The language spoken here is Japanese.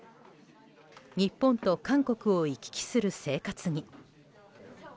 日本と韓国を行き来する生活に。